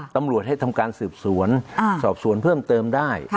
ตำรวจให้ทำการสืบสวนสอบสวนเพิ่มเติมได้